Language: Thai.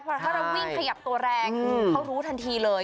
เพราะถ้าเราวิ่งขยับตัวแรงเขารู้ทันทีเลย